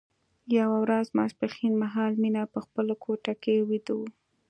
یوه ورځ ماسپښين مهال مينه په خپله کوټه کې ويده وه